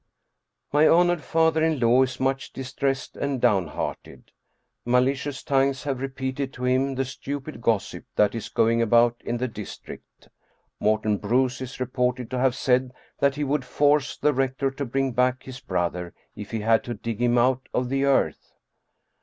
My honored father in law is much distressed and down hearted. Malicious tongues have repeated to him the stupid gossip that is going about in the district. Morten Bruus is reported to have said that " he would force the rector to bring back his brother, if he had to dig him out of the earth."